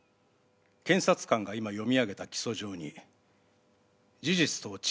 検察官が今読み上げた起訴状に事実と違う事はありますか？